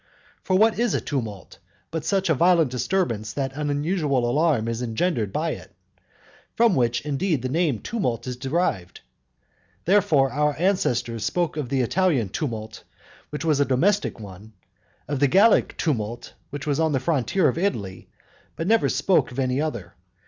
For what is a "tumult," but such a violent disturbance that an unusual alarm is engendered by it? from which indeed the name "tumult" is derived. Therefore, our ancestors spoke of the Italian "tumult," which was a domestic one, of the Gallic "tumult," which was on the frontier of Italy, but they never spoke of any other.